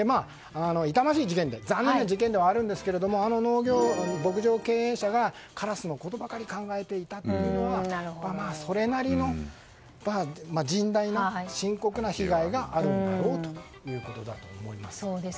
痛ましい事件で残念な事件ではあるんですけども牧場経営者がカラスのことばかり考えていたというのはそれなりの甚大な深刻な被害があるんだろうということだと思います。